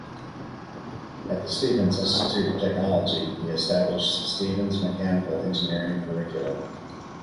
At the Stevens Institute of Technology he established Stevens' mechanical engineering curriculum.